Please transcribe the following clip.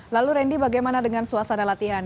lalu randy bagaimana dengan suasana latihan